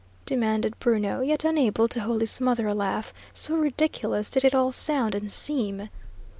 demanded Bruno, yet unable to wholly smother a laugh, so ridiculous did it all sound and seem.